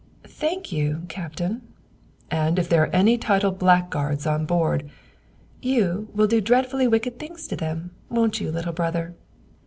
"Thank you, Captain." "And if there are any titled blackguards on board " "You will do dreadfully wicked things to them, won't you, little brother?"